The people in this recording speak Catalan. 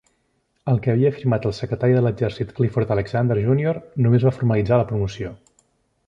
El que havia firmat el secretari de l'exèrcit Clifford Alexander Junior només va formalitzar la promoció.